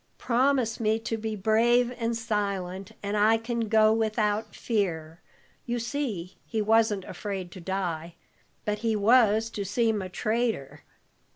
Promise me to be brave and silent, and I can go without fear.' You see, he wasn't afraid to die, but he was to seem a traitor.